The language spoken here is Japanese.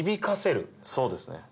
そうですね。